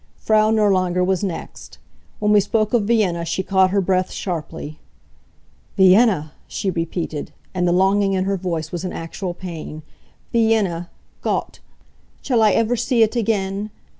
Frau Nirlanger was next. When we spoke of Vienna she caught her breath sharply. "Vienna!" she repeated, and the longing in her voice was an actual pain. "Vienna! Gott! Shall I ever see it again?